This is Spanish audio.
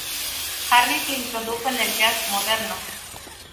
Harris le introdujo en el jazz moderno.